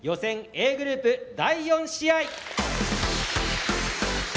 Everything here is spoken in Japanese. Ａグループ第４試合。